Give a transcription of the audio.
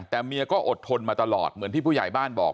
แต่เมียก็อดทนมาตลอดเหมือนที่ผู้ใหญ่บ้านบอก